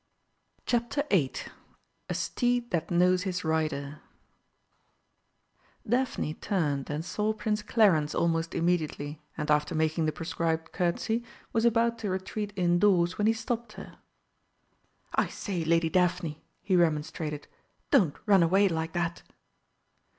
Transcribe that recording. CHAPTER VIII "A STEED THAT KNOWS HIS RIDER" Daphne turned and saw Prince Clarence almost immediately, and, after making the prescribed curtsey, was about to retreat indoors when he stopped her. "I say, Lady Daphne," he remonstrated, "don't run away like that!"